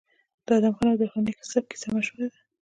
د ادم خان او درخانۍ کیسه مشهوره ده.